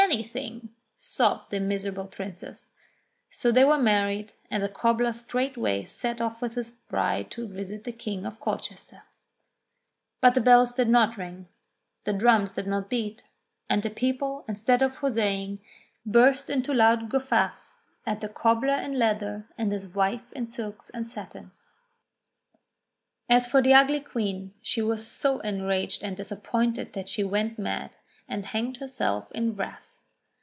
Anything!" sobbed the miserable princess. So they were married, and the cobbler straightway set off with his bride to visit the King of Colchester. But the bells did not ring, the drums did not beat, and the people, instead of huzzaing, burst into loud guffaws at the cobbler in leather, and his wife in silks and satins. THE THREE HEADS OF THE WELL 231 As for the ugly Queen, she was so enraged and disap pointed that she went mad, and hanged herself in wrath.